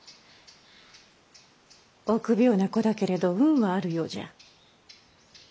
臆病な子だけれど運はあるようじゃ。